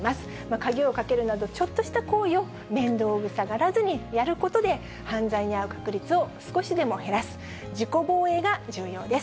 鍵をかけるなど、ちょっとした行為を面倒くさがらずにやることで、犯罪に遭う確率を少しでも減らす、自己防衛が重要です。